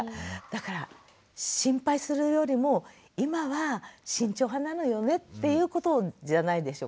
だから心配するよりも今は慎重派なのよねっていうことじゃないでしょうかね。